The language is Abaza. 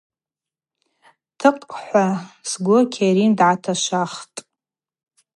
Тӏыхъ – хӏва сгвы Кьарим дгӏаташвахтӏ.